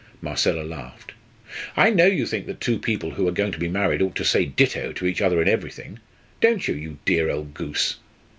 Marcella laughed. "I know you think that two people who are going to be married ought to say ditto to each other in everything. Don't you you dear old goose?"